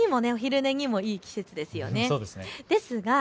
お散歩にもお昼寝にもいい季節ですよね。